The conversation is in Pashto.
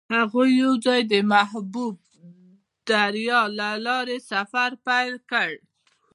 هغوی یوځای د محبوب دریا له لارې سفر پیل کړ.